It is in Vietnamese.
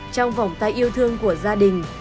trong vòng tay yêu thương của gia đình